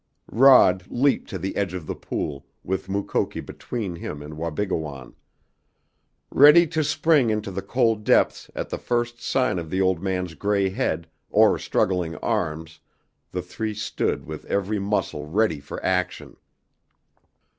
Rod leaped to the edge of the pool, with Mukoki between him and Wabigoon. Ready to spring into the cold depths at the first sign of the old man's gray head or struggling arms the three stood with every muscle ready for action.